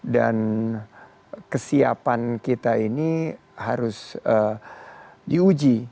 dan kesiapan kita ini harus diuji